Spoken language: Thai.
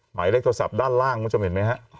หมายเลขโทรศัพท์ด้านล่างคุณผู้ชมเห็นไหมฮะ